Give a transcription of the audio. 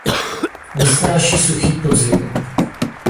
Nesnáší suchý podzim.